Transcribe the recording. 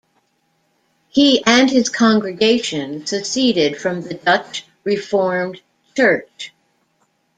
He and his congregation seceded from the Dutch Reformed Church.